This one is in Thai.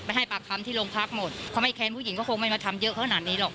ให้ปากคำที่โรงพักหมดเขาไม่แค้นผู้หญิงก็คงไม่มาทำเยอะขนาดนี้หรอก